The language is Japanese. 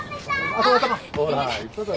ほら言っただろ。